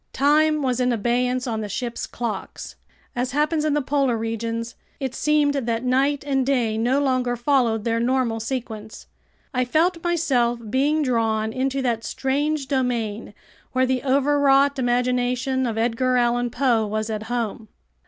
Time was in abeyance on the ship's clocks. As happens in the polar regions, it seemed that night and day no longer followed their normal sequence. I felt myself being drawn into that strange domain where the overwrought imagination of Edgar Allan Poe was at home.